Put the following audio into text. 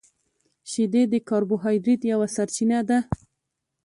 • شیدې د کاربوهایډریټ یوه سرچینه ده.